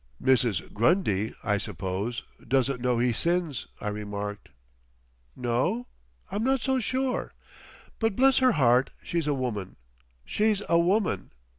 "Mrs. Grundy, I suppose, doesn't know he sins," I remarked. "No? I'm not so sure.... But, bless her heart she's a woman.... She's a woman.